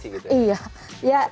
jadi kombinasi gitu ya